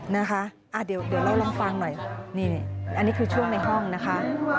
นะคะเดี๋ยวเราลองฟังหน่อยนี่อันนี้คือช่วงในห้องนะคะ